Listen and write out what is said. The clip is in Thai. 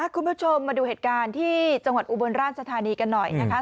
คุณผู้ชมมาดูเหตุการณ์ที่จังหวัดอุบลราชธานีกันหน่อยนะคะ